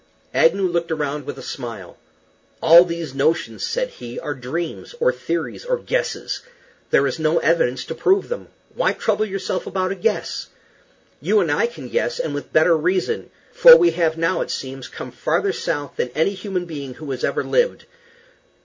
Agnew looked around with a smile. "All these notions," said he, "are dreams, or theories, or guesses. There is no evidence to prove them. Why trouble yourself about a guess? You and I can guess, and with better reason; for we have now, it seems, come farther south than any human being who has ever lived.